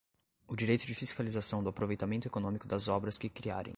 o direito de fiscalização do aproveitamento econômico das obras que criarem